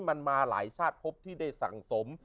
มันมาหลายชาติพบที่ได้สั่งสม